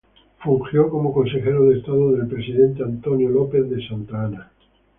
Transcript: Fungió como Consejero de Estado del presidente Antonio López de Santa Anna.